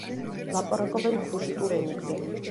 ლაპარაკობენ ქუშიტურ ენებზე.